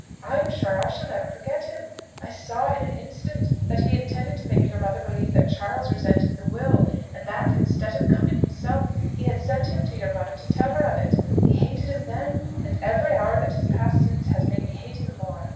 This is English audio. I am sure I shall never forget him! I saw, in an instant, that he intended to make your mother believe that Charles resented the will; and that, instead of coming himself, he had sent him to your mother to tell her of it. I hated him then; and every hour that has passed since has made me hate him more.